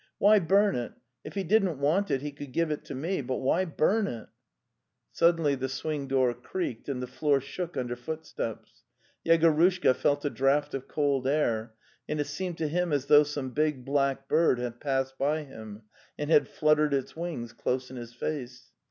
Why burn it? If he didn't want it he could give it to me, but why burn itary Suddenly the swing door creaked and the floor shook under footsteps. Yegorushka felt a draught of cold air, and it seemed to him as though some big black bird had passed by him and had fluttered its wings close in his face.